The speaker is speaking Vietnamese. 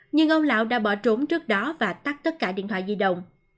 nhưng ông lạo đã bỏ trốn trước đó và tắt tất cả điện thoại di động